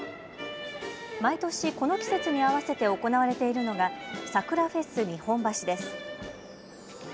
毎年この季節に合わせて行われているのが桜フェス日本橋です。